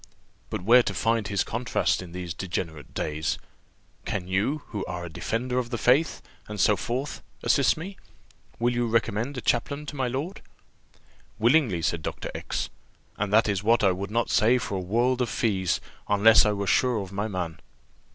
But where to find his contrast in these degenerate days? Can you, who are a defender of the faith, and so forth, assist me? Will you recommend a chaplain to my lord?" "Willingly," said Dr. X ; "and that is what I would not say for a world of fees, unless I were sure of my man."